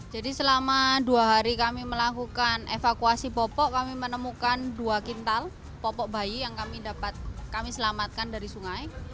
jadi selama dua hari kami melakukan evakuasi popok kami menemukan dua kintal popok bayi yang kami selamatkan dari sungai